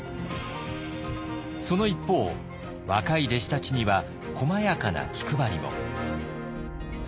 その一方若い弟子たちにはこまやかな気配りも。